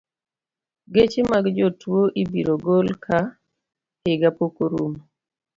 Geche mag jotuo ibiro gol ka higa pok orumo.